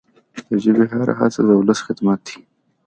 د ژبي هره هڅه د ولس خدمت دی.